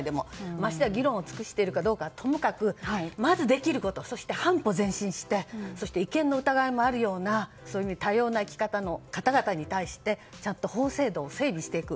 ましてや議論を尽くしているかどうかはともかくまずできることそして、半歩前進してそして、違憲の疑いもあるような多様な生き方の方々に対してちゃんと法制度を整備していく。